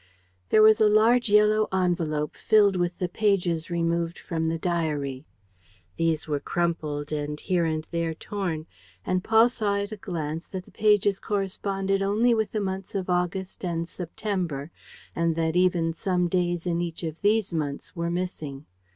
There was a large, yellow envelope filled with the pages removed from the diary. These were crumpled and here and there torn; and Paul saw at a glance that the pages corresponded only with the months of August and September and that even some days in each of these months were missing.